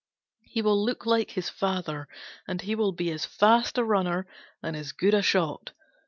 He will look like his father, and he will be as fast a runner and as good a shot.